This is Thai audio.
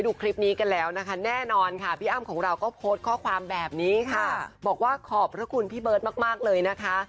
ถึงแม้จะนานออกทีก็ตามที่คุณอ้ำเขาบอกนะคะ